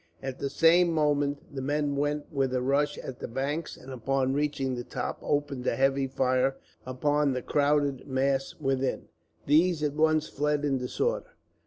At the same moment the men went with a rush at the banks, and upon reaching the top opened a heavy fire upon the crowded mass within. These at once fled in disorder.